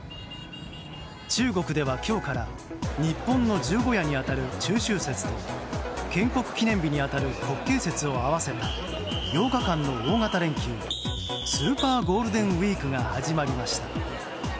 中国では今日から日本の十五夜に当たる中秋節と建国記念日に当たる国慶節を合わせた８日間の大型連休スーパーゴールデンウィークが始まりました。